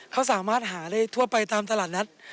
เขาสามารถหาได้ทั่วไปตามตลาดนัด